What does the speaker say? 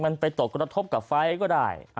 มันไปตกกระทบกับไฟก็ได้